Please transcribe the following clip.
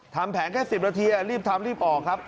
ทำแผนแค่๑๐นาทีรีบทำรีบออกครับ